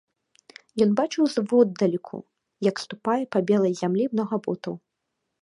Ён бачыў зводдалеку, як ступае па белай зямлі многа ботаў.